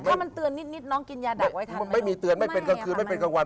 ถ้ามันเตือนนิดนิดน้องกินยาดักไว้ทันไม่มีเตือนไม่เป็นกลางคืนไม่เป็นกลางวัน